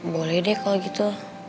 boleh deh kalau gitu